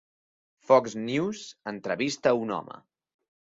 Fox News entrevista a un home